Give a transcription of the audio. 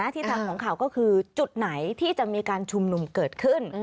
ที่ทางของข่าวก็คือจุดไหนที่จะมีการชุมนุมเกิดขึ้น